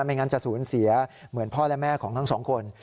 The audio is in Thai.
ไม่งั้นจะสูญเสียเหมือนพ่อและแม่ของทั้งสองคน